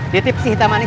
ditip si hitam manis